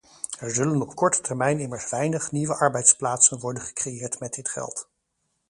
Er zullen op korte termijn immers weinig nieuwe arbeidsplaatsen worden gecreëerd met dit geld.